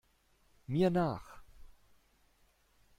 Mir nach!